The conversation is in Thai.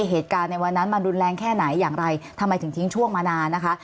เหตุการณ์ในวันนั้นมันรุนแรงแค่ไหนอย่างไรทำไมถึงทิ้งช่วงมานานนะคะ